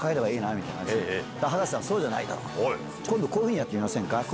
「今度こういうふうにやってみませんか？」。